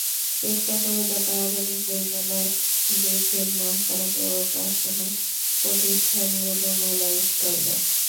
চেষ্টা করব, যাতে আগামী বইমেলায় দেশের নামকরা প্রকাশনা প্রতিষ্ঠানগুলো মেলায় স্টল দেয়।